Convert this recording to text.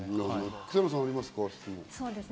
草野さん、質問ありますか？